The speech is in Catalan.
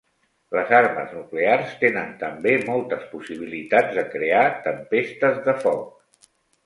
Les armes nuclears tenen també moltes possibilitats de crear tempestes de foc.